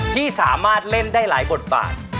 ที่สามารถเล่นได้หลายบทบาท